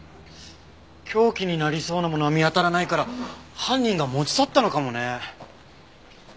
凶器になりそうなものは見当たらないから犯人が持ち去ったのかもね。